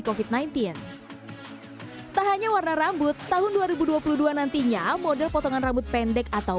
covid sembilan belas tak hanya warna rambut tahun dua ribu dua puluh dua nantinya model potongan rambut pendek atau